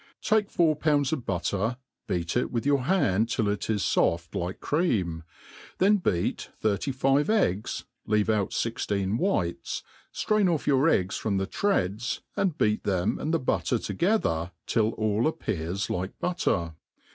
Take four pounds of butter, beat ^it with your hand till it Is foft lik« cream; then beat t^b ty*fiy£ eggs, leave «ut fifteen whites, Arain off your eggr. frpm the treads,. and iseftt them and the butter together till all s^pears like, butter.